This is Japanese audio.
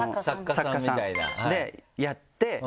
作家さんでやって。